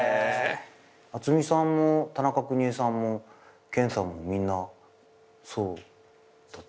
渥美さんも田中邦衛さんも健さんもみんなそうだった。